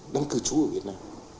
đang cư trú ở việt nam